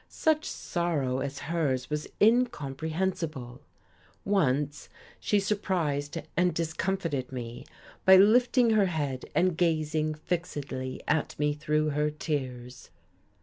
Such sorrow as hers was incomprehensible. Once she surprised and discomfited me by lifting her head and gazing fixedly at me through her tears.